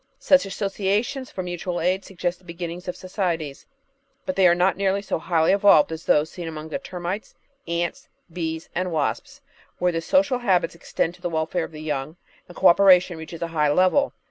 Such associations for mutual aid suggest the beginnings of societies, but they are not nearly so highly evolved as those seen among the termites, ants, bees, and wasps, where the social habits extend to the welfare of the young, and co operation reaches a high level.